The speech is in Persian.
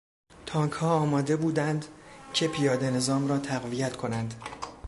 تانکها آماده بودند که پیادهنظام را تقویت کنند.